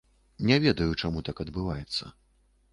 Не ведаю, чаму так адбываецца.